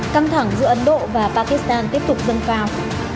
căng thẳng giữa ấn độ và pakistan tiếp tục dâng cao